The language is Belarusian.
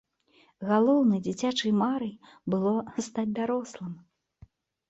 Галоўнай дзіцячай марай было стаць дарослым.